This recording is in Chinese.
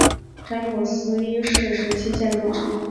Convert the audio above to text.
奥德莉庄园是英格兰最出色的詹姆斯一世时期建筑之一。